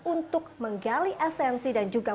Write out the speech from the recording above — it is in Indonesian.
untuk menggali esensi dan juga